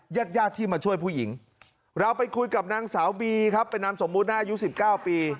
ยักยาดที่มาช่วยผู้หญิงเราไปคุยกับนางสาวครับเป็นนามสมบูรณ์๕ยุ๑๙ปี